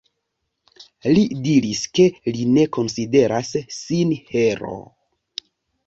Li diris, ke li ne konsideras sin heroo.